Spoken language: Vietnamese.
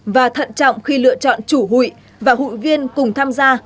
và thận trọng khi lựa chọn chủ hụi và hụi viên cùng tham gia